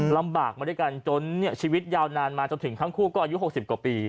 ลำบากมาด้วยกันจนชีวิตยาวนานมาจนถึงทั้งคู่ก็อายุ๖๐กว่าปี